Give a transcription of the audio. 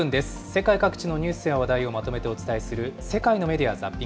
世界各地のニュースや話題をまとめてお伝えする世界のメディア・